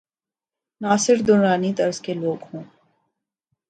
ناصر درانی طرز کے لو گ ہوں۔